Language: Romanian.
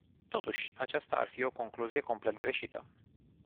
Totuși, aceasta ar fi o concluzie complet greșită.